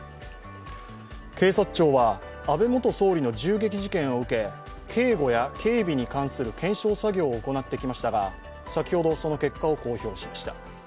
警察庁は安倍元総理の銃撃事件を受け警護や警備に関する検証作業を行ってきましたが先ほど、その結果を公表しました。